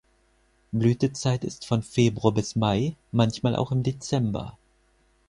Blütezeit ist von Februar bis Mai, manchmal auch im Dezember.